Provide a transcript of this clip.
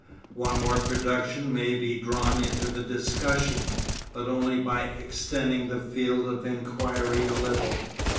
One more production may be drawn into the discussion, but only by extending the field of inquiry a little.